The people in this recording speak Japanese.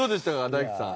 大毅さん。